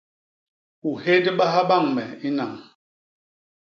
U héndbaha bañ me i nañ.